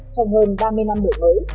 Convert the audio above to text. trong hơn ba mươi năm đổi mới